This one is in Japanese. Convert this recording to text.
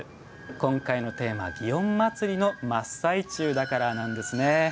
今回のテーマ祇園祭の真っ最中だからなんですね。